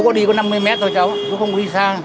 chú có đi có năm mươi mét thôi cháu chú không đi sang